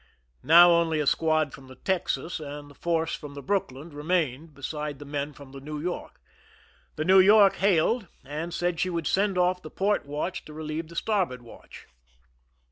Now only a squad from the Texas and the force from the Brooklyn re mained, besides the men from the New York. The New York hailed, and said she would send off the port watch to relieve the starboard watch.